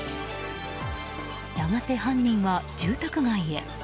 やがて犯人は住宅街へ。